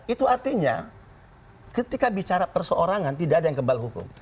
itu artinya ketika bicara perseorangan tidak ada yang kebal hukum